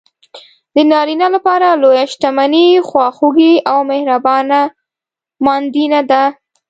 د نارینه لپاره لویه شتمني خواخوږې او مهربانه ماندینه ده.